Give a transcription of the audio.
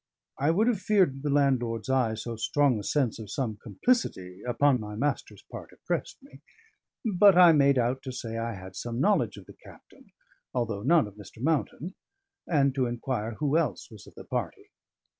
I would have feared the landlord's eye, so strong the sense of some complicity upon my master's part oppressed me. But I made out to say I had some knowledge of the captain, although none of Mr. Mountain, and to inquire who else was of the party.